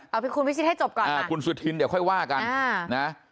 เอาคุณพิชิตให้จบก่อนอ่าคุณสุธินเดี๋ยวค่อยว่ากันอ่านะ